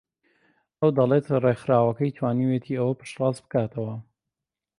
ئەو دەڵێت ڕێکخراوەکەی توانیویەتی ئەوە پشتڕاست بکاتەوە